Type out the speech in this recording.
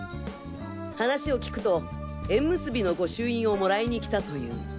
話を聞くと縁結びの御朱印をもらいにきたという。